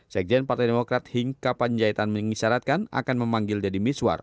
sekjen partai demokrat hinka panjaitan mengisyaratkan akan memanggil deddy miswar